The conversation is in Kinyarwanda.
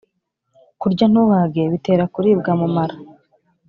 kurya ntuhage bitera kuribwa mu mara.